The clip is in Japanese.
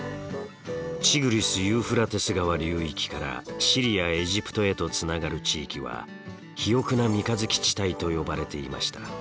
ティグリスユーフラテス川流域からシリアエジプトへとつながる地域は肥沃な三日月地帯と呼ばれていました。